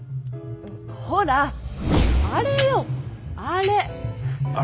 ほらあれよあれ。